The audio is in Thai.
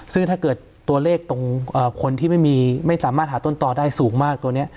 ซึ่งถ้าเกิดตัวเลขตรงคนที่ไม่สามารถหาต้นต่อได้สูงมากตัวนี้